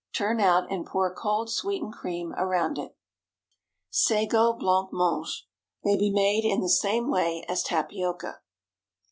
Turn out, and pour cold sweetened cream around it. SAGO BLANC MANGE. May be made in the same way as tapioca.